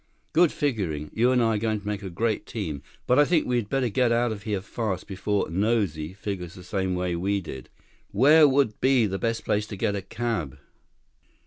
"Good figuring. You and I are going to make a great team. But I think we'd better get out of here fast before 'Nosy' figures the same way we did. Where would be the best place to get a cab?"